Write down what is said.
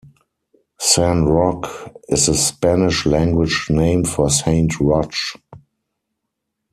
San Roque is the Spanish language name for Saint Roch.